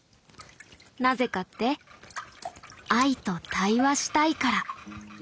なぜかって藍と対話したいから。